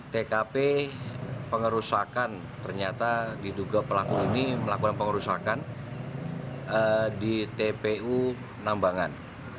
tkp pengerusakan ternyata diduga pelaku ini melakukan pengerusakan di tpu nambangan